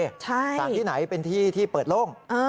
สถานที่ไหนเป็นที่ที่เปิดโล่ง